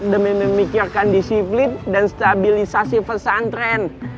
demi memikirkan disiplin dan stabilisasi pesantren